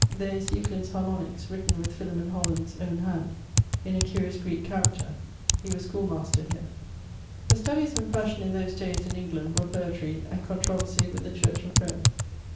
] There is Euclid's Harmoniques written with Philemon Holland's owne hand, in a curious Greeke character; he was schoolmaster here. The studies in fashion in those dayes (in England) were poetry, and controversie with the church of Rome.